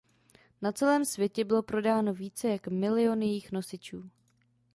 Na celém světě bylo prodáno více jak milión jejích nosičů.